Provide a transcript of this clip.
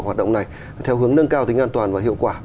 hoạt động này theo hướng nâng cao tính an toàn và hiệu quả